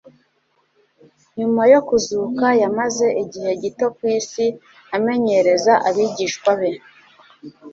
Nyuma yo kuzuka yamaze igihe gito ku isi amenyereza abigishwa be